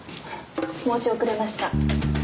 申し遅れました。